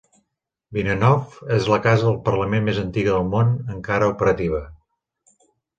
Binnenhof és la casa del Parlament més antiga del món encara operativa.